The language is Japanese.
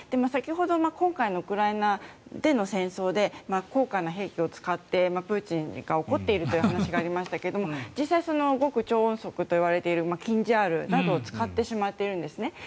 先ほど今回のウクライナでの戦争で高価な兵器を使ってプーチンが怒っているという話がありましたけれど実際に極超音速といわれるキンジャールなどを使ってしまっているんですね。